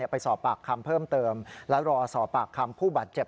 ไปสอบปากคำเพิ่มเติมและรอสอบปากคำผู้บาดเจ็บ